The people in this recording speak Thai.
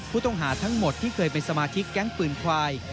ผู้ต้องหาทั้งหมดที่เคยเป็นสมาชิกแก๊งปืนควาย